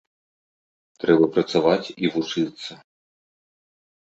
Трэба працаваць і вучыцца!